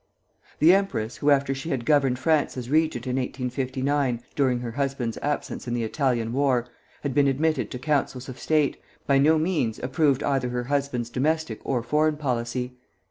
The empress, who after she had governed France as regent in 1859, during her husband's absence in the Italian war, had been admitted to councils of state, by no means approved either her husband's domestic or foreign policy.